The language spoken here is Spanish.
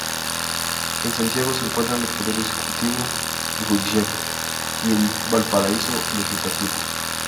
En Santiago se encuentran los poderes Ejecutivo y Judicial y en Valparaíso, el Legislativo.